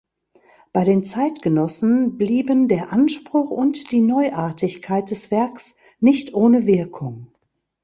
Bei den Zeitgenossen blieben der Anspruch und die Neuartigkeit des Werks nicht ohne Wirkung.